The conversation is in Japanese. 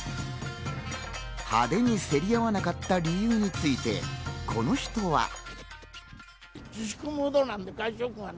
派手に競り合わなかった理由についてこの人は。